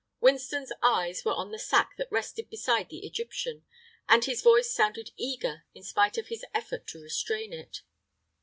Winston's eyes were on the sack that rested beside the Egyptian, and his voice sounded eager in spite of his effort to restrain it.